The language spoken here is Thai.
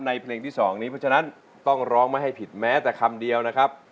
เพลงที่๒นี้เพราะฉะนั้นต้องร้องไม่ให้ผิดแม้แต่คำเดียวนะครับ